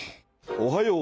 おはよう。